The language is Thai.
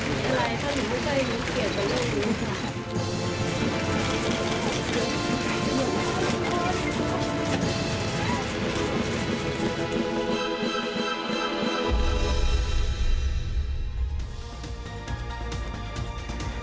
ถ้าหนูไม่เคยมีเกลียดก็ไม่รู้ครับ